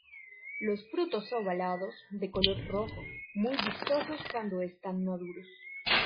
Los frutos ovalados, de color rojo, muy vistosos cuando están maduros.